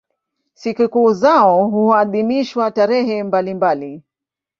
Sikukuu zao huadhimishwa tarehe mbalimbali.